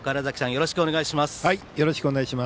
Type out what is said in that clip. よろしくお願いします。